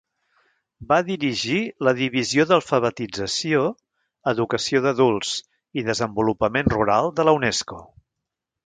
Va dirigir la Divisió d'Alfabetització, Educació d'Adults i Desenvolupament Rural de la Unesco.